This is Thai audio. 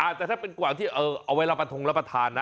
แต่ถ้าเป็นกว่างที่เอาไว้รับประทงรับประทานนะ